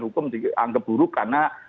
hukum dianggap buruk karena